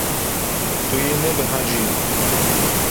Tu yê nebehecî.